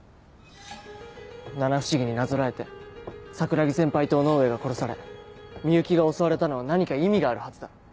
七不思議になぞらえて桜樹先輩と尾ノ上が殺され美雪が襲われたのは何か意味があるはずだ。